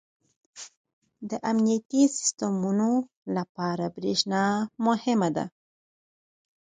• د امنیتي سیسټمونو لپاره برېښنا مهمه ده.